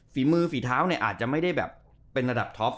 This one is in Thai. ฝีมือฝีเท้าเนี่ยอาจจะไม่ได้แบบเป็นระดับท็อป